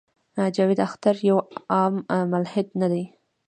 جاوېد اختر يو عام ملحد نۀ دے